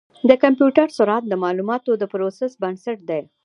د کمپیوټر سرعت د معلوماتو د پروسس بنسټ دی.